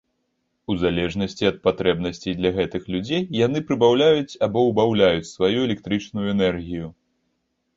У залежнасці ад патрэбнасцей для гэтых людзей, яны прыбаўляюць або ўбаўляюць сваю электрычную энергію.